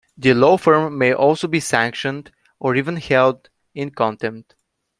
The law firm may also be sanctioned, or even held in contempt.